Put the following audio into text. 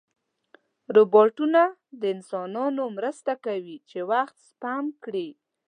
روبوټونه د انسانانو مرسته کوي چې وخت سپم کړي.